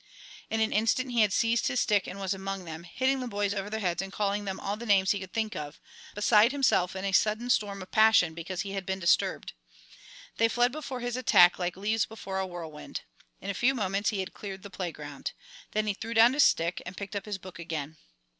In an instant he had seized his stick and was among them, hitting the boys over their heads and calling them all the names he could think of, beside himself in a sudden storm of passion because he had been disturbed. They fled before his attack like leaves before a whirlwind. In a few moments he had cleared the playground. Then he threw down the stick and picked up his book again.